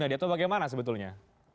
itu bagaimana sebetulnya